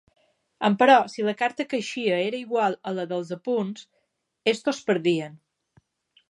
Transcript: Emperò, si la carta que eixia era igual a la dels apunts, estos perdien.